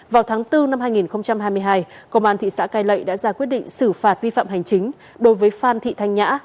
vào tháng bốn năm hai nghìn hai mươi hai công an thị xã cai lệ đã ra quyết định xử phạt vi phạm hành chính đối với phan thị thanh nhã